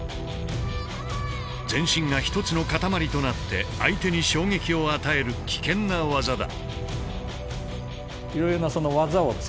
全身がひとつの塊となって相手に衝撃を与える危険な技だ。